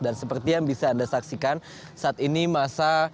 dan seperti yang bisa anda saksikan saat ini masa